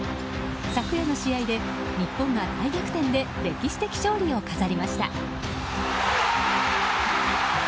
昨夜の試合で、日本が大逆転で歴史的勝利を飾りました。